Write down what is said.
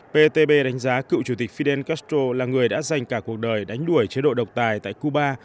ptb đánh giá cựu chủ tịch fidel castro là người đã dành cả cuộc đời đánh đuổi chế độ độc tài tại cuba